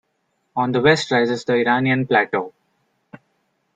On the west rises the Iranian Plateau.